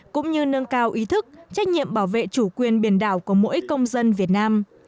cũng như nâng cao ý thức trách nhiệm bảo vệ chủ quyền biển đảo của mỗi công dân việt nam